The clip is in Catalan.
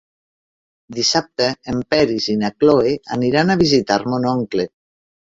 Dissabte en Peris i na Cloè aniran a visitar mon oncle.